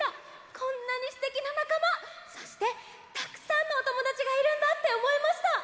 こんなにすてきななかまそしてたくさんのおともだちがいるんだっておもいました。